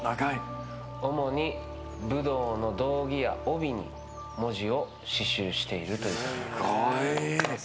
主に武道の胴着や帯に文字を刺しゅうしているということです。